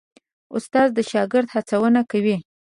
استاد د شاګرد هڅونه کوي.